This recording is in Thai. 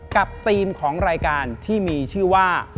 กับทีมของรายการที่มีชื่อว่า